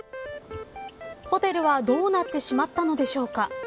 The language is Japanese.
ホテルは、どうなってしまったのでしょうか。